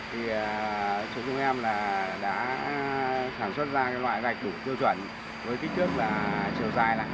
thì chúng em đã sản xuất ra loại gạch đủ tiêu chuẩn với kích thước là chiều dài là hai trăm một mươi